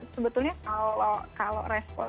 sebetulnya kalau respon